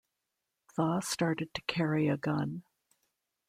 Thaw started to carry a gun.